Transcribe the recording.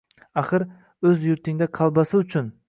Axir, o‘z yurtingda kolbasa uchun